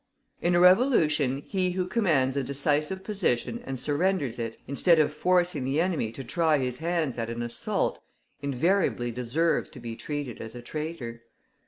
In a revolution he who commands a decisive position and surrenders it, instead of forcing the enemy to try his hands at an assault, invariably deserves to be treated as a traitor.